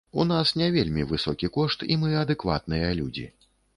У нас не вельмі высокі кошт, і мы адэкватныя людзі.